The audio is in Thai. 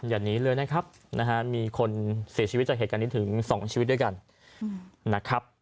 อย่าหนีเลยนะครับมีคนเสียชีวิตจากเหตุการณ์นี้ถึง๒ชีวิตด้วยกันนะครับ